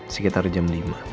sekitar jam lima